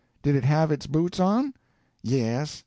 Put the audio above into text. Did it have its boots on?" "Yes.